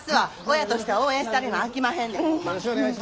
親としては応援してあげなあきまへんねん。